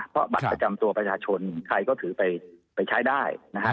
เพราะบัตรประจำตัวประชาชนใครก็ถือไปใช้ได้นะฮะ